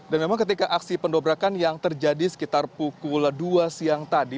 dan memang ketika aksi pendobrakan yang terjadi sekitar pukul dua siang tadi